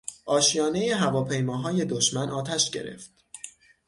اشیانهٔ هواپیماهای دشمن آتش گرفت.